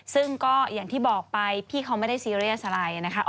ซึ่งก็อย่างที่บอกไปพี่เขาไม่ได้ซีเรียสอะไรนะคะ